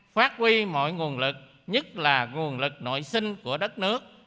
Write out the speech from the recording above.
phát huy mọi nguồn lực nhất là nguồn lực nội sinh của đất nước